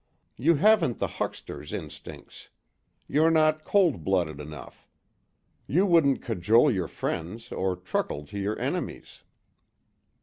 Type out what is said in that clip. You haven't the huckster's instincts; you're not cold blooded enough. You wouldn't cajole your friends or truckle to your enemies."